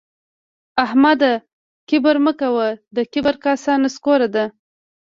احمده کبر مه کوه؛ د کبر کاسه نسکوره ده